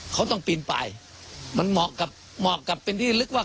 เขาต้องปีนปลายมันเหมาะกับเป็นที่ลึกว่า